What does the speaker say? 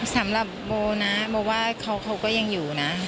สำหรับโบนะโบว่าเขาก็ยังอยู่นะ